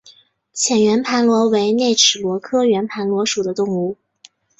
浅圆盘螺为内齿螺科圆盘螺属的动物。